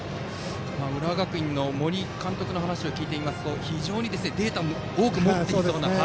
浦和学院の森監督の話を聞いていますと非常にデータを多く持っていると。